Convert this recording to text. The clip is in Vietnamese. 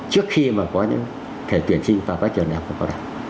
trước khi mà có thể tuyển sinh vào các trường đại học phổ thông